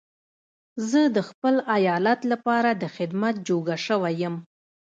زه د خپل ايالت لپاره د خدمت جوګه شوی يم.